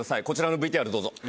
こちらのＶＴＲどうぞ。